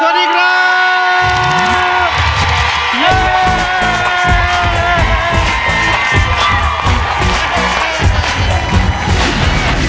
สวัสดีครับ